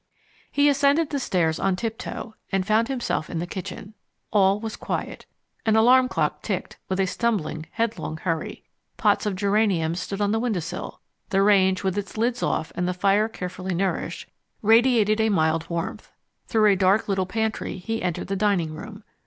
He ascended the stairs on tiptoe and found himself in the kitchen. All was quiet. An alarm clock ticked with a stumbling, headlong hurry. Pots of geraniums stood on the window sill. The range, with its lids off and the fire carefully nourished, radiated a mild warmth. Through a dark little pantry he entered the dining room.